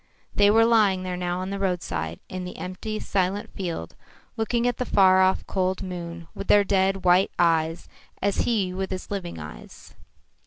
They were lying there now at the roadside, in the empty, silent field, looking at the far off cold moon with their dead, white eyes as he with his living eyes.